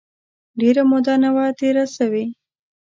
ډېره موده نه وه تېره سوې.